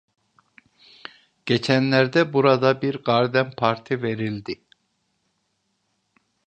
Geçenlerde burada bir garden parti verildi.